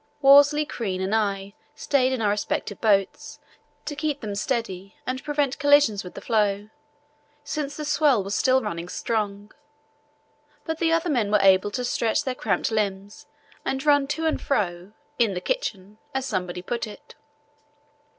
Worsley, Crean, and I stayed in our respective boats to keep them steady and prevent collisions with the floe, since the swell was still running strong, but the other men were able to stretch their cramped limbs and run to and fro "in the kitchen," as somebody put it.